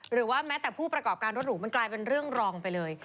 หรือว่าแม้แต่ผู้ประกอบการรถหรูมันกลายเป็นเรื่องรองไปเลย